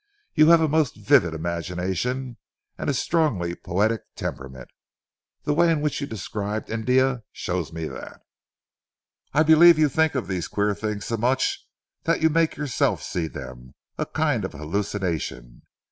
You have a most vivid imagination and a strong poetic temperament. The way in which you described India shows me that. I believe you think of these queer things so much that you make yourself see them a kind of hallucination.